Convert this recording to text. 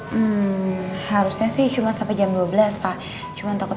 hmm harusnya sih cuma sampe jam dua belas pak